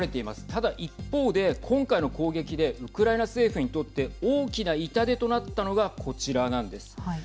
ただ一方で今回の攻撃でウクライナ政府にとって大きな痛手となったのがこちらなんです。